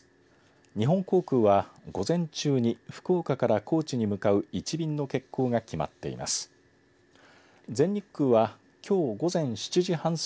日本航空は、午前中に福岡から高知に向かう１便の欠航が決まっています。